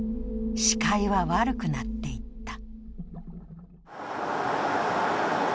視界は悪くなっていった。